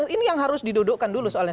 ini yang harus didudukkan dulu soalnya